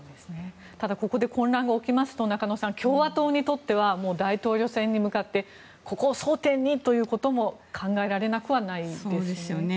ただ、ここで混乱が起きますと中野さん、共和党にとっては大統領選に向けてここを争点にということも考えられなくはないですね。